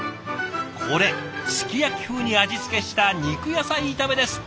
これすき焼き風に味付けした肉野菜炒めですって。